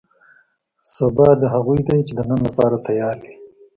سبا دې هغو دی چې د نن لپاره تیار وي.